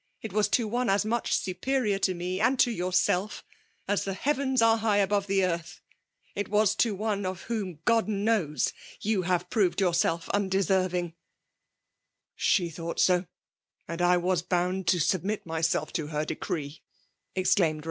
It was to one as much superior to me and to yourself as the Heavens are high above the earth! It was to one of whom, God knows, you have proved yourself undeserving/* " She thought so ; and I was bound to sub mit myself to her decree T exclaimed Bains ford in a tone of deep despondency.